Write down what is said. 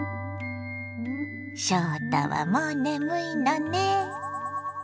翔太はもう眠いのね。